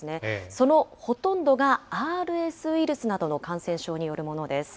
そのほとんどがＲＳウイルスなどの感染症によるものです。